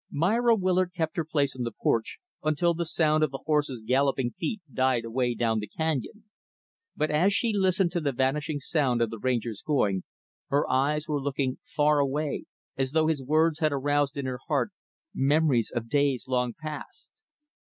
Myra Willard kept her place on the porch until the sound of the horse's galloping feet died away down the canyon. But, as she listened to the vanishing sound of the Ranger's going, her eyes were looking far away as though his words had aroused in her heart memories of days long past.